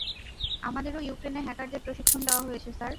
আমাদেরও ইউক্রেনে হ্যাকারদের প্রশিক্ষণ দেওয়া হয়েছে, স্যার।